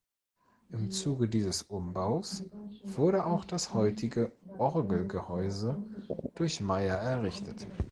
Im Zuge dieses Umbaus wurde auch das heutige Orgelgehäuse durch Mayer errichtet.